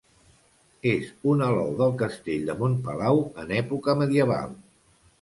És un alou del castell de Montpalau en època medieval.